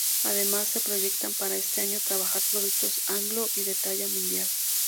Además se proyectan para este año trabajar productos anglo y de talla mundial.